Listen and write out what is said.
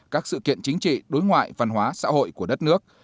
các sự kiện chính trị đối ngoại văn hóa xã hội của đất nước